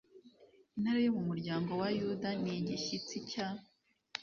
intare yo mu muryango wa yuda n igishyitsi cya